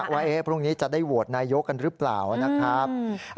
ว่าพรุ่งนี้จะได้โหวตนายกกันหรือเปล่านะครับ